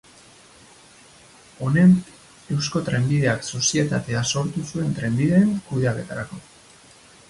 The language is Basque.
Honek Eusko Trenbideak sozietatea sortu zuen trenbideen kudeaketarako.